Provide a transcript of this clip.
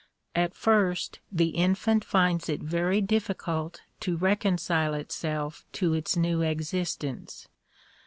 At first the infant finds it very difficult to reconcile itself to its new existence.